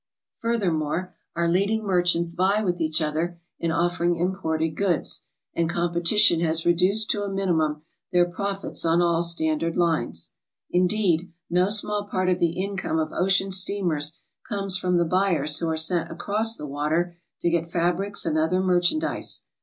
Furthermore, our leading merchanlts vie with each other in offering imported goods, and competition has reduced to SOMEWHAT FINANCIAL. 199 a minimum their profits on all standard lines. Indeed, no small part of the income of ocean steamers comes from the buyers who are sent across the water to get fabrics and other merchandise.